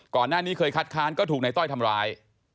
ก่อนหน้านี้เคยคัดค้านก็ถูกในต้อยทำร้าย